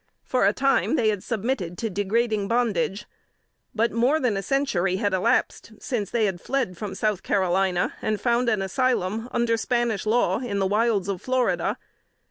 For a time they submitted to degrading bondage; but more than a century had elapsed since they fled from South Carolina, and found an asylum under Spanish law in the wilds of Florida.